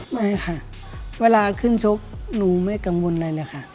ไม่ค่ะเวลาขึ้นชกหนูไม่กังวลอะไรเลยค่ะ